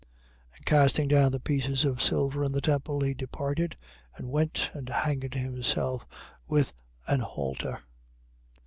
27:5. And casting down the pieces of silver in the temple, he departed and went and hanged himself with an halter.